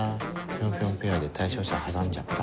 ピョンピョンペアで対象者挟んじゃった。